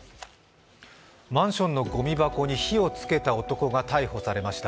マンションのゴミ箱に火をつけた男が逮捕されました。